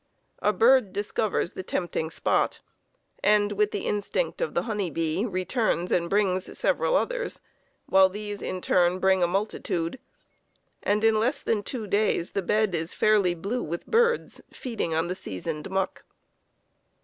A bird discovers the tempting spot, and with the instinct of the honey bee, returns and brings several others, while these in turn bring a multitude, and in less than two days the bed is fairly blue with birds feeding on the seasoned muck.